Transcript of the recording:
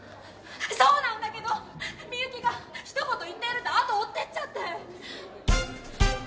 そうなんだけど深雪が「一言言ってやる」ってあと追ってっちゃって。